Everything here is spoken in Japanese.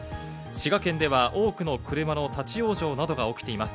滋賀県では多くの車の立ち往生などが起きています。